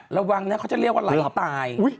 ระวังนะเขาจะเรียกว่าไหลตาย